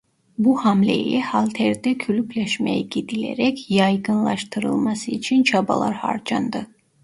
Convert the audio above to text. Bu hamle ile halterde kulüpleşmeye gidilerek yaygınlaştırılması için çabalar harcandı.